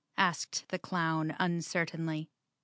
asked the clown uncertainly.